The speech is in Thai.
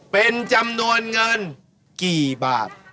เป็นจำนวนเงินกี่บาท